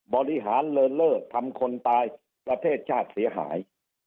บริหารเลินเล่อทำคนตายประเทศชาติเสียหาย